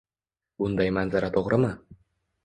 Bunday manzara to‘g‘rimi?